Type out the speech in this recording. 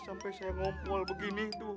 sampai saya ngompol begini tuh